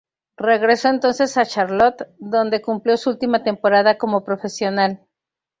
Regresó entonces a Charlotte, donde cumplió su última temporada como profesional.